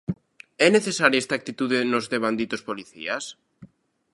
É necesaria esta actitude nos devanditos policías?